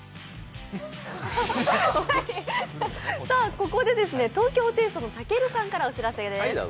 ここで東京ホテイソンのたけるさんからお知らせです。